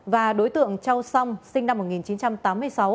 và đối tượng châu song sinh năm một nghìn chín trăm tám mươi sáu